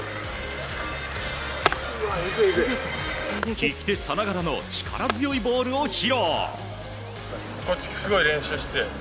利き手さながらの力強いボールを披露。